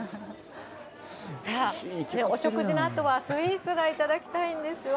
さあ、お食事のあとはスイーツが頂きたいんです。